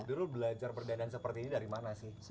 dulu belajar perdanaan seperti ini dari mana sih